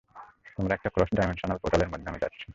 তোমরা একটা ক্রস-ডাইমেনশনাল পোর্টালের মাধ্যমে যাচ্ছ!